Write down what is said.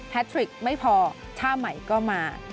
ททริกไม่พอท่าใหม่ก็มา